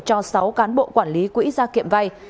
cho sáu cán bộ quản lý quỹ gia kiệm vay